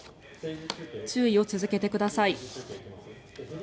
注意を続けてください。